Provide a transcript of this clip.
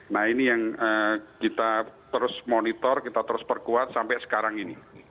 nah ini yang kita terus monitor kita terus perkuat sampai sekarang ini